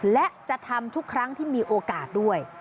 และจะทำทุกครั้งที่มีโอกาสด้วย